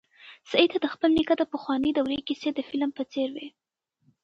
سعید ته د خپل نیکه د پخوانۍ دورې کیسې د فلم په څېر وې.